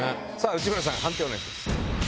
内村さん判定お願いします。